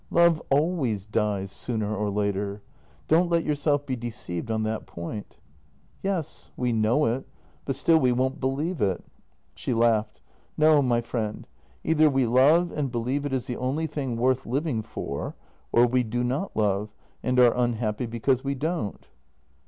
Love always dies sooner or later. Don't let yourself be deceived on that point." "Yes; we know it — but still we won't believe it." She laughed. "No, my friend — either we love and believe it is the only thing worth living for, or we do not love — and are unhappy because we don't."